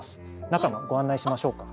中のご案内しましょうか。